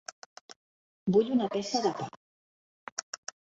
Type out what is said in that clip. Vull una peça de pa.